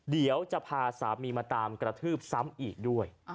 เดี๋ยวจะพาสามีมาตามกระทืบซ้ำอีกด้วย